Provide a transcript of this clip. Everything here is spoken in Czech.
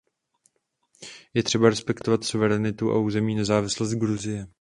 Je třeba respektovat suverenitu a územní nezávislost Gruzie.